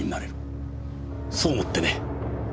そう思ってね。